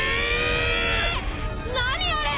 何あれ！？